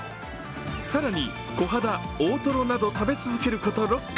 更にこはだ、大トロなど食べ続けること６貫。